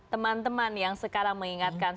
teman teman yang sekarang mengingatkan